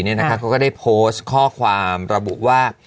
เขาก็ได้โพสต์ข้อความระบุว่า